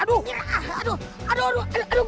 aduh aduh aduh aduh aduh